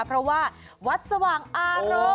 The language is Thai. เพราะว่าวัดสว่างอารมณ์